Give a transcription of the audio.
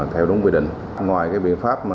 theo đúng quy định ngoài biện pháp